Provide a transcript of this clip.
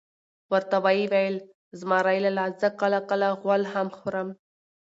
ورته وئې ویل: زمرى لالا زه کله کله غول هم خورم .